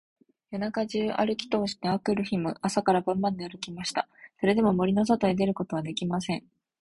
夜中じゅうあるきとおして、あくる日も朝から晩まであるきました。それでも、森のそとに出ることができませんでした。